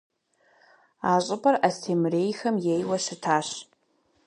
А щӏыпӏэр Астемырейхэм ейуэ щытащ.